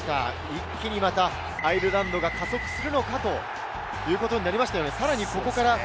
一気にアイルランドが加速するのかということになりましたよね。